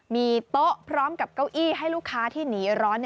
มีโต๊ะพร้อมกับเก้าอี้ให้ลูกค้าที่หนีร้อน